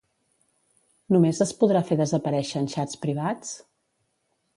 Només es podrà fer desaparèixer en xats privats?